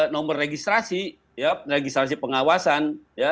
nomor registrasi registrasi pengawasan